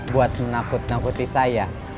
buat menakut nakuti saya